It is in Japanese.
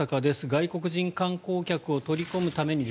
外国人観光客を取り込むために